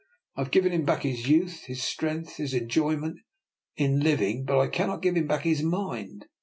I have given him back his youth, his strength, his enjoyment in living, but I cannot give him back his mind.